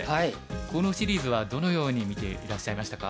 このシリーズはどのように見ていらっしゃいましたか？